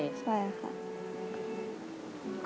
ใช่ค่ะ